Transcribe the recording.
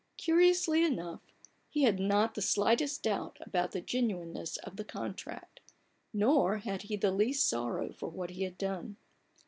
Curiously enough, he had not the slightest doubt about the genuineness of the contract, nor had he the least sorrow for what he had done.